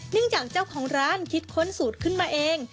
จากเจ้าของร้านคิดค้นสูตรขึ้นมาเอง